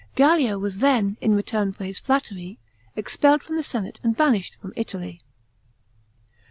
Gallic was then, in return for his flattery, expelled from the senate and banished from Italy.